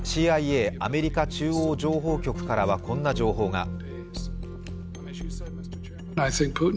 ＣＩＡ＝アメリカ中央情報局からはこんな情報が。